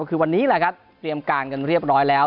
คือวันนี้แหละครับเตรียมการกันเรียบร้อยแล้ว